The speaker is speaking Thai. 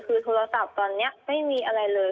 คือโทรศัพท์ตอนนี้ไม่มีอะไรเลย